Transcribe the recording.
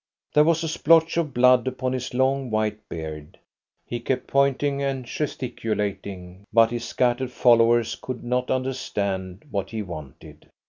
There was a splotch of blood upon his long white beard. He kept pointing and gesticulating, but his scattered followers could not understand what he wanted.